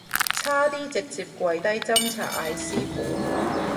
差啲直接跪低斟茶嗌師父